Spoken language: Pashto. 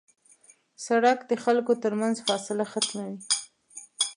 سړک د خلکو تر منځ فاصله ختموي.